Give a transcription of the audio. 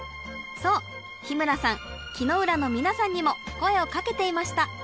そう日村さん木ノ浦のみなさんにも声をかけていました。